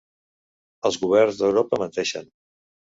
Els governs d'Europa menteixen.